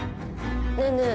ねえねえ